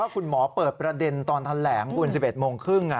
คุณหมอเปิดประเด็นตอนแถลงคุณ๑๑โมงครึ่ง